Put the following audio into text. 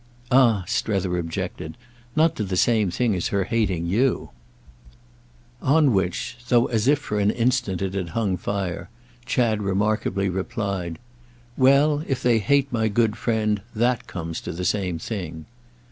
"Ah," Strether objected, "not to the same thing as her hating you." On which—though as if for an instant it had hung fire—Chad remarkably replied: "Well, if they hate my good friend, that comes to the same thing."